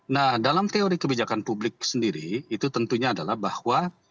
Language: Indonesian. nah dalam teori kebijakan publik sendiri itu tentunya adalah bahwa